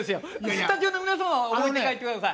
スタジオの皆様は覚えて帰ってください。